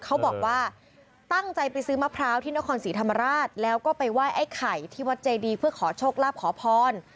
เขาบอกว่าตั้งใจไปซื้อมะพร้าวที่นครศรีธรรมราชแล้วก็ไปไหว้ไอ้ไข่ที่วัดเจดีเพื่อขอโชคลาภขอพร